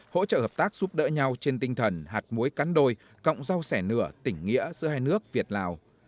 hỗ trợ hợp tác giúp đỡ nhau trên tinh thần hạt muối cắn đôi cộng rau sẻ nửa tỉnh nghĩa giữa hai nước việt lào